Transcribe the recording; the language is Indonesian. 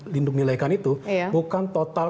lindungi laikan itu bukan total